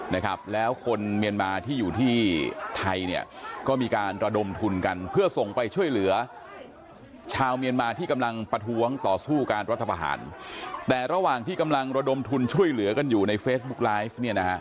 ชาวเมียนมาที่กำลังประท้วงต่อสู้การรัฐภาภาภาภาภาภาแต่ระหว่างที่กำลังระดมทุนช่วยเหลือกันอยู่ในเฟซบุ๊คไลฟ์